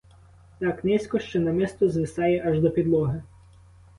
Так низько, що намисто звисає аж до підлоги.